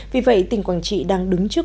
vì vậy tỉnh quảng trị đang đứng trước